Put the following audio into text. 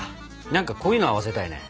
何かこういうのを合わせたいね。